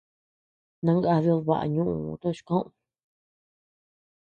Nangadid baʼa ñuʼuu tochi koʼod.